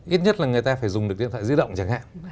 ít nhất là người ta phải dùng được điện thoại di động chẳng hạn